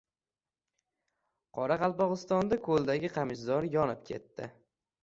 Qoraqalpog‘istonda ko‘ldagi qamishzor yonib ketdi